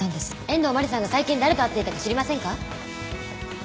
遠藤真理さんが最近誰と会っていたか知りませんか？